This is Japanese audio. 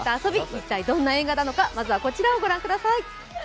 一体どんな映画なのか、まずは、こちらをご覧ください。